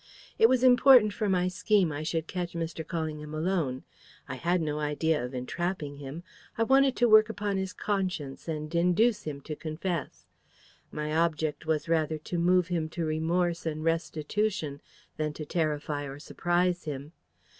"It was important for my scheme I should catch Mr. Callingham alone. I had no idea of entrapping him. I wanted to work upon his conscience and induce him to confess. My object was rather to move him to remorse and restitution than to terrify or surprise him.